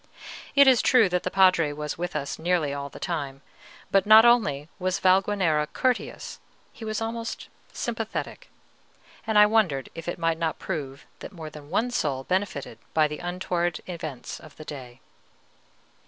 It is true that the Padre was with us nearly all the time; but not only was Valguanera courteous, he was almost sympathetic; and I wondered if it might not prove that more than one soul benefited by the untoward events of the day.